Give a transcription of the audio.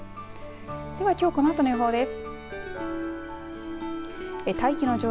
では、きょうこのあとの予報です。